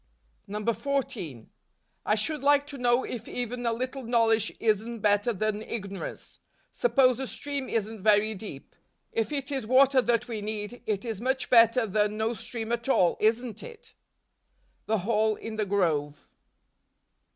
14. I should like to know if even a little knowledge isn't better than ignorance: Suppose a stream isn't very deep ; if it is water that we need, it is much better than no stream at all, isn't it ? The Hall in the Grove.